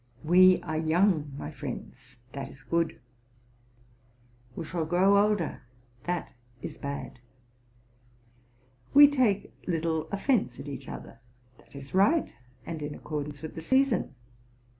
We are young, my friends, — that is good ; we shall grow older, —that is bad; we take little offence at each other, — that is right, and in accordance with the season.